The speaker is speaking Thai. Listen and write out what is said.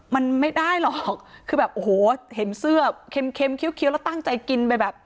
มันไม่ได้หรอกคือแบบโอ้โหเห็นเสื้อเค็มเคี้ยวแล้วตั้งใจกินไปแบบ